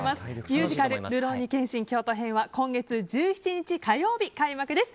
ミュージカル「るろうに剣心京都編」は今月１７日、火曜日開幕です。